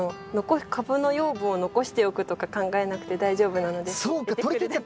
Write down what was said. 株の養分を残しておくとか考えなくて大丈夫なので出てくるだけとりきっちゃって下さい。